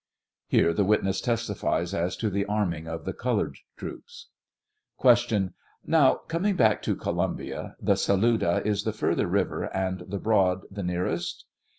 (Here the witness testifies as to the arming of the colored troops.) 43 Q. Now, coming back to Columbia; the Saluda is the further river and the Broad the nearest